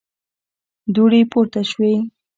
دوړې پورته شوې.